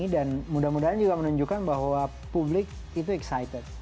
dan mudah mudahan juga menunjukkan bahwa publik itu excited